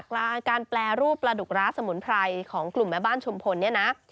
กลางการแปรรูปปลาดุกร้าสมุนไพรของกลุ่มแม่บ้านชุมพลเนี่ยนะ